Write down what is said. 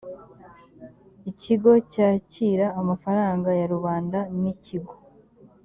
ikigo cyakira amafaranga ya rubanda n ikigo